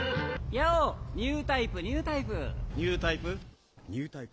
よう、ニュータイプ、ニュータイプ。